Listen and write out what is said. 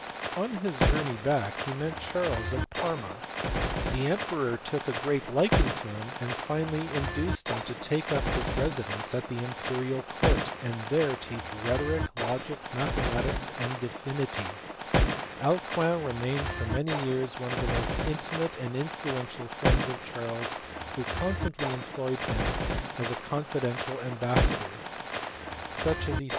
On his journey back he met Charles at Parma; the emperor took a great liking to him, and finally induced him to take up his residence at the imperial court, and there teach rhetoric, logic, mathematics, and divinity. Alcuin remained for many years one of the most intimate and influential friends of Charles who constantly employed him as a confidential ambas * See The Schools of Charles the Great and the Restoration of Educa tion in the ninth century by J.